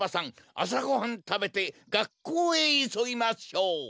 あさごはんたべてがっこうへいそぎましょう。